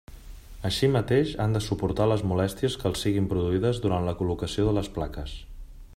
Així mateix, han de suportar les molèsties que els siguin produïdes durant la col·locació de les plaques.